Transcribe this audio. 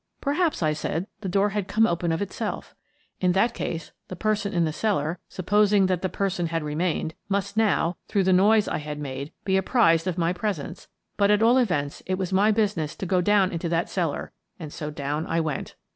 Perhaps, I said, the door had come open of it self. In that case, the person in the cellar — sup posing that the person had remained — must now, through the noise I had made, be apprized of my presence, but at all events it was my business to go down into that cellar, and so down I went.